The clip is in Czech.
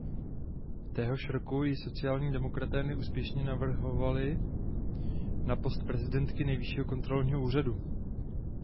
Téhož roku ji sociální demokraté neúspěšně navrhovali na post prezidentky Nejvyššího kontrolního úřadu.